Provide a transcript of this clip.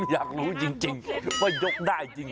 อยากรู้จริงว่ายกได้จริง